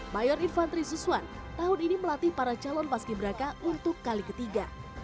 mayor infantri suswan tahun ini melatih para calon paski beraka untuk kali ketiga